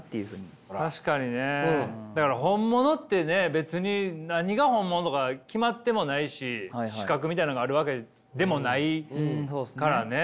別に何が本物とか決まってもないし資格みたいなのがあるわけでもないからね。